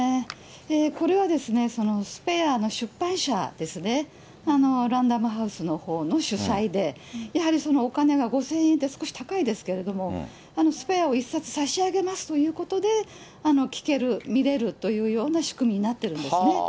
これはですね、スペアの出版社ですね、ランダムハウスのほうの主催で、やはりお金が５０００円って、少し高いですけれども、スペアを１冊差し上げますということで、聞ける、見れるというような仕組みになってるんですね。